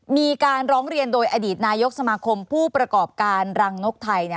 มีการร้องเรียนโดยอดีตนายกสมาคมผู้ประกอบการรังนกไทย